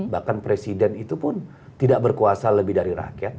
bahkan presiden itu pun tidak berkuasa lebih dari rakyat